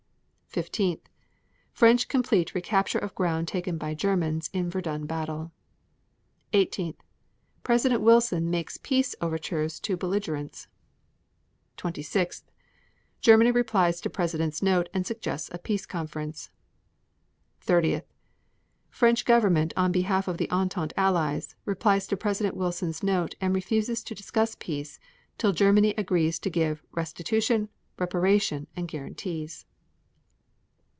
15. French complete recapture of ground taken by Germans in Verdun battle. 18. President Wilson makes peace overtures to belligerents. 26. Germany replies to President's note and suggests a peace conference. 30. French government on behalf of Entente Allies replies to President Wilson's note and refuses to discuss peace till Germany agrees to give 'restitution, reparation and guarantees.'